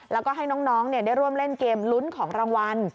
แล้วก็ให้น้องได้ร่วมเล่นเกมลุ้นของรางวัล